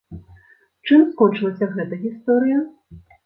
Чым скончылася гэта гісторыя?